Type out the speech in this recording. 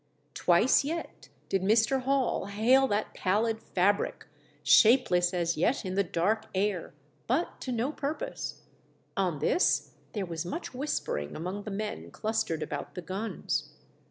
Twice yet did Mr. Hall hail that pallid fabric, shapeless as yet in the dark air, but to no purpose. On this there was much whispering among the men clustered about the guns.